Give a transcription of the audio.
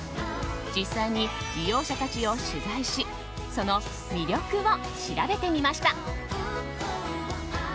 実際に利用者たちを取材しその魅力を調べてみました。